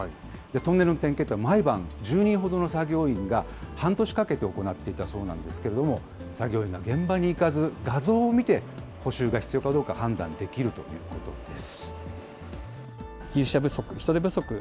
トンネルの点検というのは毎晩１０人ほどの作業員が半年かけて行っていたそうなんですけれども、作業員が現場に行かず、画像を見て、補修が必要かどうか、判断できるということです。